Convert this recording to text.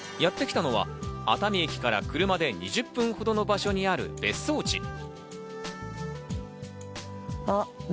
やってきたのは熱海駅から車で２０分ほどの場所にある別荘地。